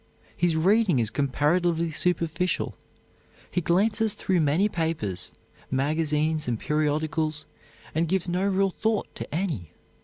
His reading is comparatively superficial. He glances through many papers; magazines and periodicals and gives no real thought to any.